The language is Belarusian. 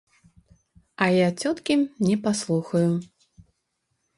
А я цёткі не паслухаю.